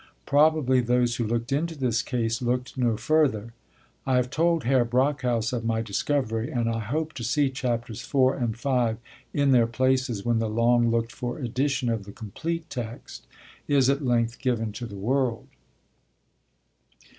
Probably, those who looked into this case looked no further. I have told Herr Brockhaus of my discovery, and I hope to see Chapters IV. and V. in their places when the long looked for edition of the complete text is at length given to the world.